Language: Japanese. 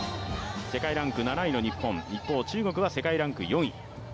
世界ランク７位の日本、一方、中国は世界ランク４位。